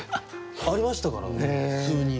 ありましたからね普通に。